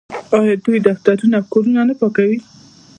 آیا دوی دفترونه او کورونه نه پاکوي؟